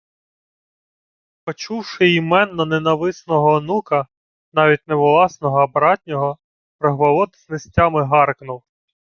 Почувши ймено ненависного онука, навіть не власного, а братнього, Рогволод знестями гаркнув: